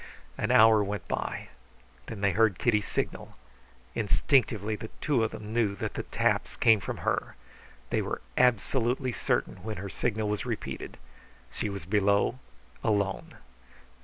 An hour went by. Then they heard Kitty's signal. Instinctively the two of them knew that the taps came from her. They were absolutely certain when her signal was repeated. She was below, alone.